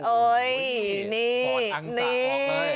โอ้ยนี้นี้